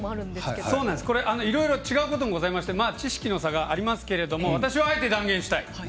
いろいろ違うこともございまして知識の差もありますけれども私はあえて断言したい。